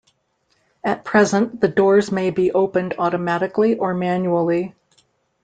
At present the doors may be opened automatically or manually.